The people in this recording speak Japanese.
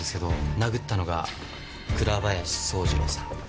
殴ったのが倉林宗次朗さん。